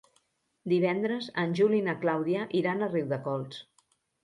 Divendres en Juli i na Clàudia iran a Riudecols.